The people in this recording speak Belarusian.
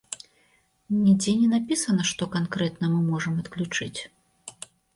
Нідзе не напісана, што канкрэтна мы можам адключыць.